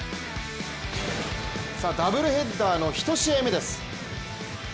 ダブルヘッダーの１試合目です。